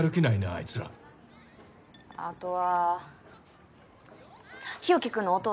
あいつらあとは日沖君の弟